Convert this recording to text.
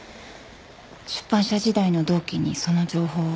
出版社時代の同期にその情報を。